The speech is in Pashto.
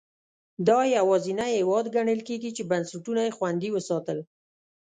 دا یوازینی هېواد ګڼل کېږي چې بنسټونه یې خوندي وساتل.